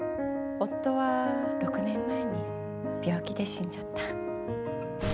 夫は６年前に病気で死んじゃった。